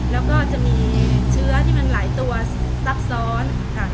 แล้วก็จะมีเชื้อที่มันหลายตัวซับซ้อนค่ะ